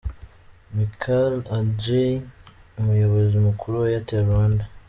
Michale Adjei umuyobozi mukuru wa Airtel Rwanda.